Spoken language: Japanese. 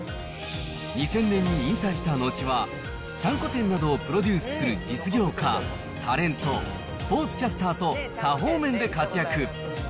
２０００年に引退した後は、ちゃんこ店などをプロデュースする実業家、タレント、スポーツキャスターと、多方面で活躍。